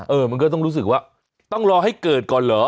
มันก็ต้องรู้สึกว่าต้องรอให้เกิดก่อนเหรอ